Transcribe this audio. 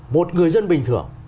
một người dân bình thường